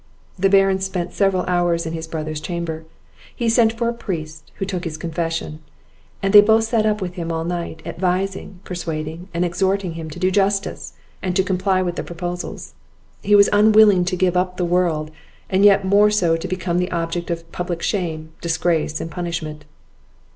The Baron spent several hours in his brother's chamber. He sent for a priest, who took his confession; and they both sat up with him all night, advising, persuading, and exhorting him to do justice, and to comply with the proposals. He was unwilling to give up the world, and yet more so to become the object of public shame, disgrace, and punishment.